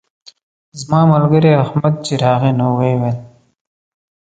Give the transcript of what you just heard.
زما ملګری احمد چې راغی نو ویې ویل.